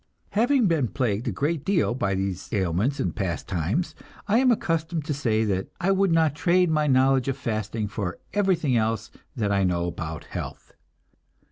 Having been plagued a great deal by these ailments in past times, I am accustomed to say that I would not trade my knowledge of fasting for everything else that I know about health.